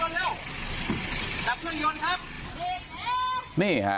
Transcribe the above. นี่ฮะ